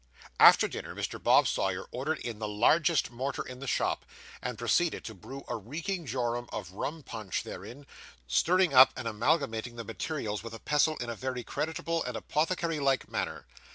After dinner, Mr. Bob Sawyer ordered in the largest mortar in the shop, and proceeded to brew a reeking jorum of rum punch therein, stirring up and amalgamating the materials with a pestle in a very creditable and apothecary like manner.